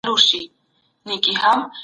سالم ذهن شخړه نه جوړوي.